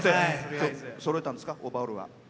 そろえたんですかオーバーオールは。